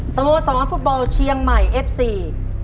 สโมสรฟุตบอลเชียงใหม่เอฟซี